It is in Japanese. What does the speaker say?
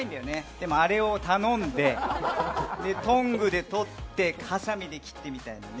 でも、あれを頼んで、トングで取ってハサミで切ってみたいなね。